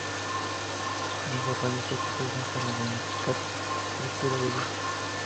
Por ejemplo, los rayos X se usan para diagnosticar fracturas de huesos.